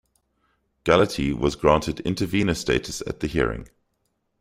Galati was granted intervenor status at the hearing.